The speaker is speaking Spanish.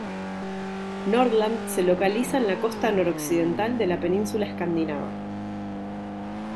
Nordland se localiza en la costa noroccidental de la península escandinava.